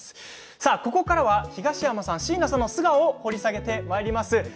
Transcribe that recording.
ここからは東山さん椎名さんの素顔を掘り下げてまいります。